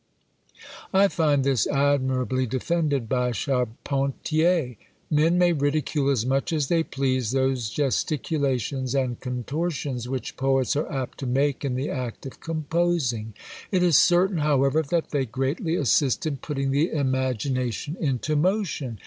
I find this admirably defended by Charpentier: "Men may ridicule as much as they please those gesticulations and contortions which poets are apt to make in the act of composing; it is certain, however, that they greatly assist in putting the imagination into motion.